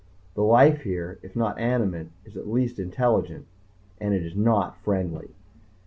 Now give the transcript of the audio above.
The life here, if not animate, is at least intelligent and it is not friendly.